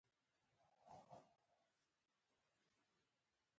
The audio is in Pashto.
د اسماني آسونو نوم ورکړل شوی و